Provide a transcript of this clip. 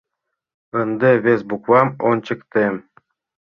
Ынде вес буквам ончыктем.